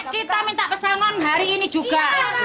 kita minta pesangon hari ini juga